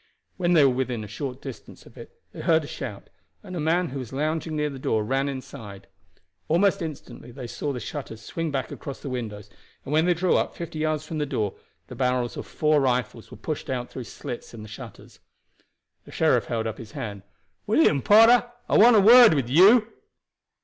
When they were within a short distance of it they heard a shout, and a man who was lounging near the door ran inside. Almost instantly they saw the shutters swing back across the windows, and when they drew up fifty yards from the door the barrels of four rifles were pushed out through slits in the shutters. The sheriff held up his hand. "William Porter, I want a word with you."